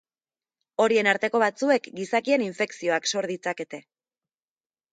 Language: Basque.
Horien arteko batzuek gizakien infekzioak sor ditzakete.